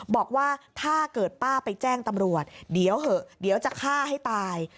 บอกว่าถ้าเกิดป้าไปแจ้งตำรวจเดี๋ยวเหอะเดี๋ยวจะฆ่าให้ตาย